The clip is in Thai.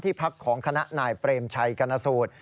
พักของคณะนายเปรมชัยกรณสูตร